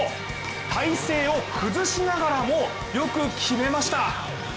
体勢を崩しながらもよく決めました。